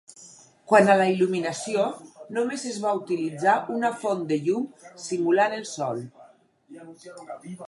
Quant a la il·luminació, només es va utilitzar una Font de llum, simulant el sol.